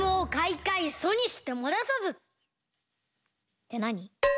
ってなに？